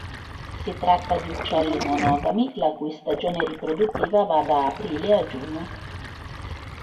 Si tratta di uccelli monogami, la cui stagione riproduttiva va da aprile a giugno.